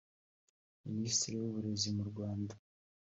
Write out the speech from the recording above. Minisitiri w’Uburezi mu Rwanda